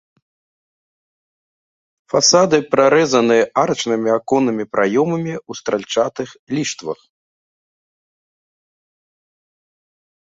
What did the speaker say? Фасады прарэзаны арачнымі аконнымі праёмамі ў стральчатых ліштвах.